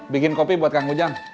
bikin kopi buat kang ujang